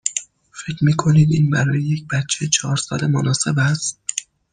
فکر می کنید این برای یک بچه چهار ساله مناسب است؟